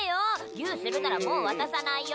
ギューするならもう渡さないよ。